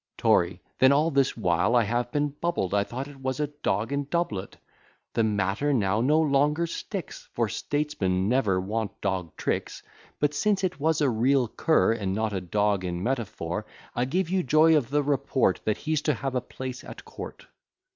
TORY. Then all this while have I been bubbled, I thought it was a dog in doublet: The matter now no longer sticks: For statesmen never want dog tricks. But since it was a real cur, And not a dog in metaphor, I give you joy of the report, That he's to have a place at court.